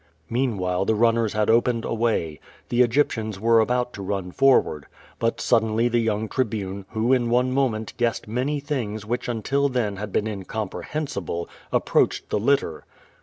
Meanwhile, the runners had opened a way. The Egyptians were about to run forward. But suddenly tlie youngTribuno, who in one moment guessed many things which until tlieu had been incomprehensible, approachefl the litter.